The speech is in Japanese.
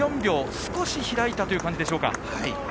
少し開いた感じでしょうか。